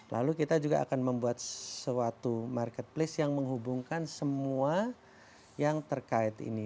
lalu kita juga akan membuat suatu marketplace yang menghubungkan semua yang terkait ini